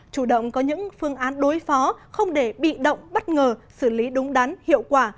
chủ động có những phương án đối phó không để bị động bất ngờ xử lý đúng đắn hiệu quả